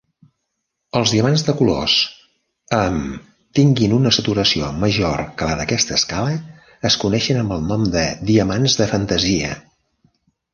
Els diamants de colors amb tinguin una saturació major que la d'aquesta escala es coneixen amb el nom de diamants "de fantasia".